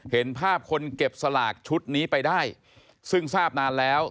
เห็นภาพคนเก็บสลากชุดนี้ไปได้ซึ่งทราบนานแล้ว